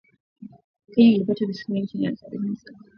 Kenya ilipata asilimia ya chini zaidi ya sabini na saba.